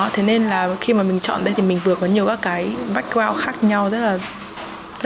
thế nên là khi mà mình chọn đây thì mình vừa có nhiều các cái background khác nhau